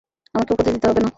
আমাকে উপদেশ দিতে হবে না।